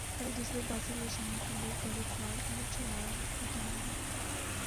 اور ایک دوسرے پر بازی لے جانے کیلئے گلے پھاڑ کر چلا رہے ہوں گے